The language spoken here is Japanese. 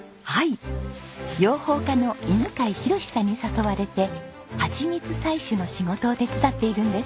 養蜂家の犬飼博さんに誘われてハチミツ採取の仕事を手伝っているんです。